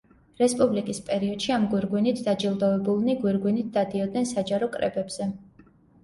რესპუბლიკის პერიოდში ამ გვირგვინით დაჯილდოვებულნი გვირგვინით დადიოდნენ საჯარო კრებებზე.